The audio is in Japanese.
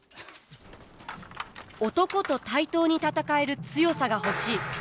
男と対等に戦える強さが欲しい。